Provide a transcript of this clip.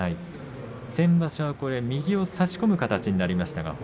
先場所は右を差し込む形になりました。